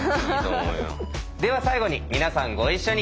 では最後に皆さんご一緒に。